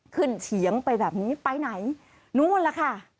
เฉียงไปแบบนี้ไปไหนนู่นล่ะค่ะ